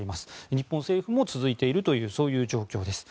日本政府も続いているという状況です。